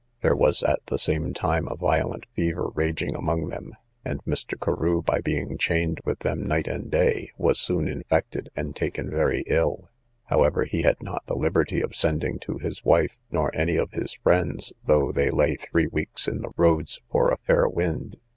There was at the same time a violent fever raging among them, and Mr. Carew, by being chained with them night and day, was soon infected, and taken very ill; however, he had not the liberty of sending to his wife, nor any of his friends, though they lay three weeks in the roads for a fair wind.